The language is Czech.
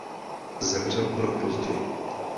Zemřel o rok později.